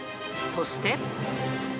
そして。